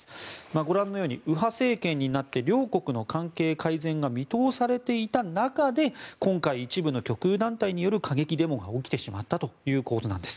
ご覧のように右派政権になって両国の関係改善が見通されていた中で今回、一部の極右団体による過激デモが起きてしまったという構図なんです。